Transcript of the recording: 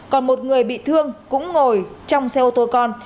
còn một người bị thương cũng ngồi trong xe ô tô con